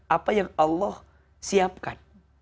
apa yang allah siapkan